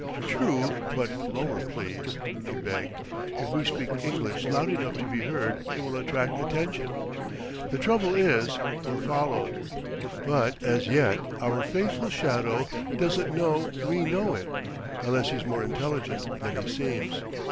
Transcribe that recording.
"True but lower, please!" he begged. "If we speak English loud enough to be heard it will attract attention.... The trouble is, we're followed. But as yet our faithful shadow doesn't know we know it unless he's more intelligent than he seems.